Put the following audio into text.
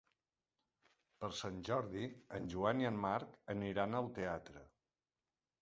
Per Sant Jordi en Joan i en Marc aniran al teatre.